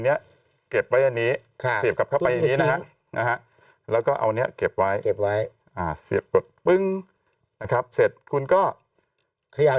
เนี้ยเก็บไว้เก็บไว้อ่ะเสียบปุ๊บปึ้งนะครับเสร็จคุณก็ขย่าว